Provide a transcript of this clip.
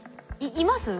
いますよ。